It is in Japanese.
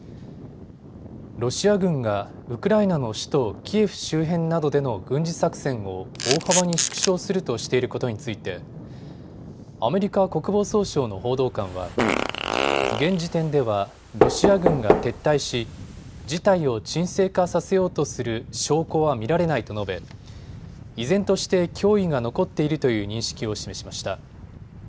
ロシア軍がウクライナの首都キエフ周辺などでの軍事作戦を大幅に縮小するとしていることについてアメリカ国防総省の報道官は現時点ではロシア軍が撤退し事態を沈静化させようとする証拠は見られないと述べ、依然として脅威が残っているという認識を示しました。